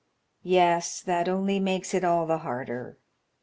"Yes, that only makes it all the harder.